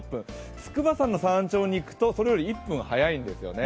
筑波山の山頂にいくと、それより１分早いんですよね。